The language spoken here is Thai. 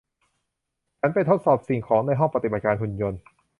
ฉันไปทดสอบสิ่งของในห้องปฏิบัติการหุ่นยนต์